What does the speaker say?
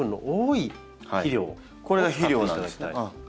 これが肥料なんですね。